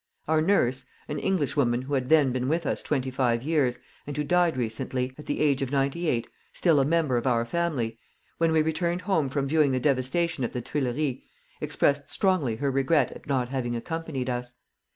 Our nurse, an Englishwoman who had then been with us twenty five years, and who died recently, at the age of ninety eight, still a member of our family, when we returned home from viewing the devastation at the Tuileries, expressed strongly her regret at not having accompanied us.